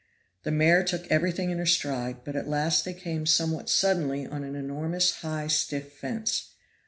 The mare took everything in her stride, but at last they came somewhat suddenly on an enormous high, stiff fence.